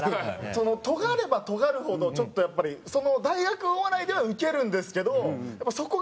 とがればとがるほどちょっとやっぱり大学お笑いではウケるんですけどそこが沼というか。